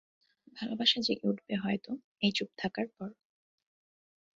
ভালবাসা জেগে উঠবে হয়তো, এই চুপ থাকার পর।